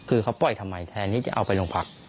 คือเขาปล่อยทำไมแทนที่จะเอาไปโรงพัก